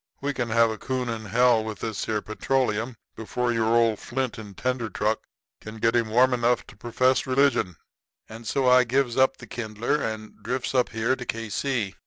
'We can have a coon in hell with this here petroleum before your old flint and tinder truck can get him warm enough to perfess religion.' And so I gives up the kindler and drifts up here to K.C.